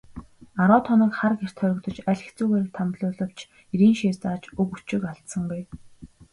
Арваад хоног хар гэрт хоригдож, аль хэцүүгээр тамлуулавч эрийн шийр зааж үг өчиг алдсангүй.